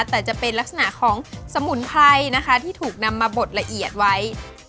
แต่จะเป็นลักษณะของสมุนไพรนะคะที่ถูกนำมาบดละเอียดไว้